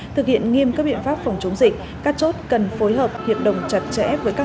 thực hiện nghiêm các biện pháp phòng chống dịch các chốt cần phối hợp hiệp đồng chặt chẽ với các